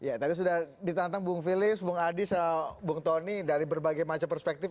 ya tadi sudah ditantang bung filips bung adis bung tony dari berbagai macam perspektif